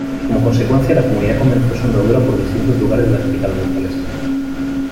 Como consecuencia, la comunidad comenzó su andadura por distintos lugares de la capital burgalesa.